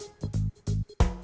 bukan beli bagaimana